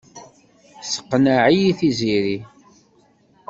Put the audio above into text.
Tesseqneɛ-iyi Tiziri.